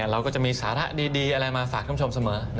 เราก็จะมีสาระดีมาฝากคุณผู้ชมเสมอ